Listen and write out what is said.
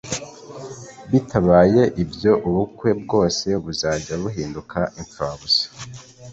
bitabaye ibyo ubukwe bwose buzajya buhinduka imfa busa”